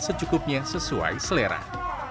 secukupnya sesuai dengan kebutuhan